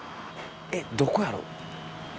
えっどこやろ？